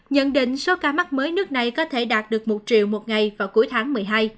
nhận định số ca mắc mới nước này có thể đạt được một triệu một ngày vào cuối tháng một mươi hai